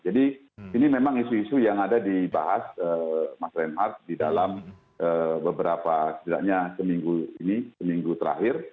jadi ini memang isu isu yang ada dibahas mas remhardt di dalam beberapa tidaknya seminggu ini seminggu terakhir